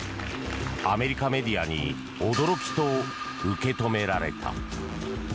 アメリカメディアに驚きと受け止められた。